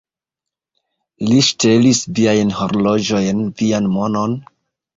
Li ŝtelis viajn horloĝojn, vian monon?